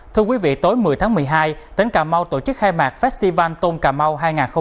thưa quý vị tối một mươi tháng một mươi hai tỉnh cà mau tổ chức khai mạc festival tôn cà mau hai nghìn hai mươi